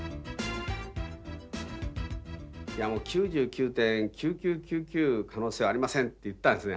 いやもう９９．９９９９可能性ありませんって言ったんですね。